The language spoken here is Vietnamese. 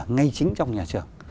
ngay chính trong nhà trường